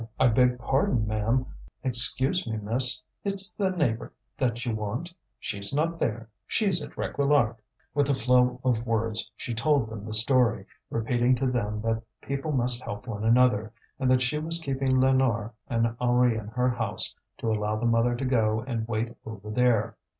I beg pardon, ma'am. Excuse me, miss. It's the neighbour that you want? She's not there; she's at Réquillart." With a flow of words she told them the story, repeating to them that people must help one another, and that she was keeping Lénore and Henri in her house to allow the mother to go and wait over there.